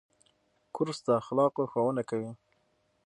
کورس د اخلاقو ښوونه کوي.